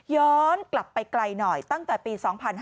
ย้อนกลับไปไกลหน่อยตั้งแต่ปี๒๕๕๙